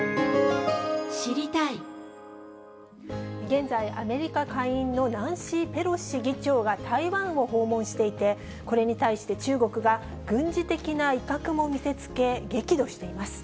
現在、アメリカ下院のナンシー・ペロシ議長が台湾を訪問していて、これに対して中国が軍事的な威嚇も見せつけ、激怒しています。